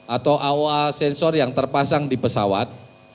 atau aoa sensor yang terpasang di pesawat